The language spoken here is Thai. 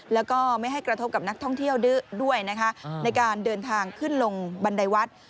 แล้วก็ไม่ให้กระทบกับนักท่องเที่ยวด้วยนะคะในการเดินทางขึ้นลงบันไดวัด